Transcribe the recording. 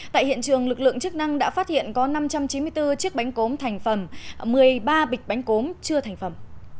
tại hiện trường lực lượng chức năng đã phát hiện có năm trăm chín mươi bốn chiếc bánh cốm thành phẩm một mươi ba bịch bánh cốm chưa thành phẩm